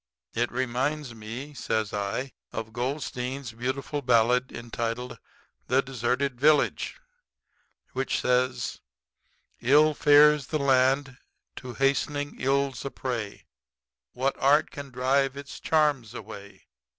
It reminds me,' says I, 'of Goldstein's beautiful ballad entitled "The Deserted Village," which says: 'Ill fares the land, to hastening ills a prey, What art can drive its charms away?